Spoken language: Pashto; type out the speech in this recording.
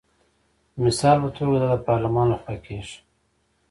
د مثال په توګه دا د پارلمان لخوا کیږي.